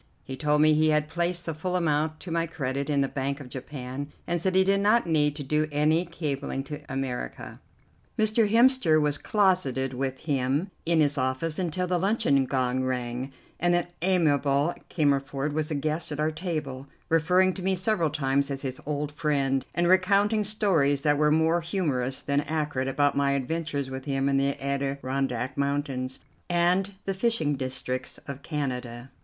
He told me he had placed the full amount to my credit in the Bank of Japan, and said he did not need to do any cabling to America. Mr. Hemster was closeted with him in his office until the luncheon gong rang, and the amiable Cammerford was a guest at our table, referring to me several times as his old friend, and recounting stories that were more humourous than accurate about my adventures with him in the Adirondack Mountains and the fishing districts of Canada.